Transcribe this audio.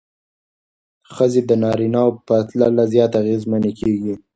ښځې د نارینه وو پرتله زیات اغېزمنې کېږي.